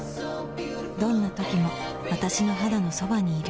どんな時も私の肌のそばにいる